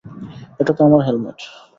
এটা তো আমার হেলমেট।